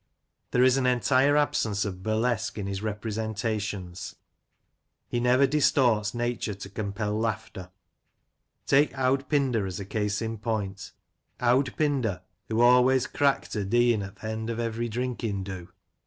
There is an entire absence of burlesque in his representations. He never distorts nature to compel laughter. Take "Owd Pinder" as a case in point — Owd Pinder, "who always crack'd o' deein' at th' end of every drinkin' do."